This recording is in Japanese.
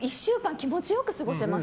気持ちよく過ごせます。